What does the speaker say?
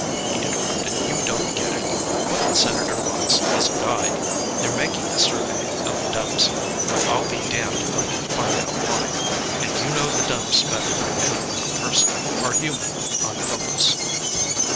he interrupted, "you don't get it. What the Senator wants is a guide. They're making a survey of the Dumps, though I'll be damned if I can find out why. And you know the Dumps better than any metal person or human on Phobos."